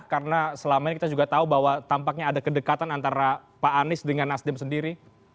karena selama ini kita juga tahu bahwa tampaknya ada kedekatan antara pak anies dengan nasdim sendiri